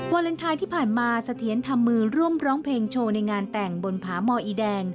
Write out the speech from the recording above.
วาเลนไทยที่ผ่านมาสะเทียนธรรมมือร่วมร้องเพลงโชว์ในงานแต่งบนพมอด